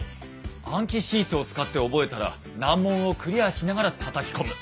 暗記シートを使って覚えたら難問をクリアしながらたたき込む。